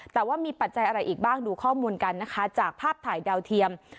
แต่ว่ามีปัจจัยอะไรอีกบ้างดูข้อมูลกันนะคะจากภาพถ่ายดาวเทียม